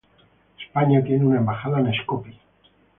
España tiene una embajada en Skopie.